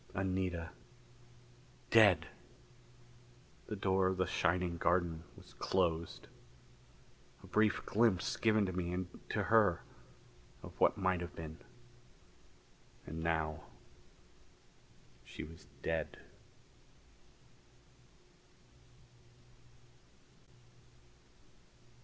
Anita dead. The door of the shining garden was closed. A brief glimpse given to me and to her of what might have been. And now she was dead....